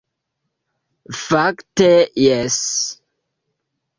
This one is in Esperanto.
Fakte jes!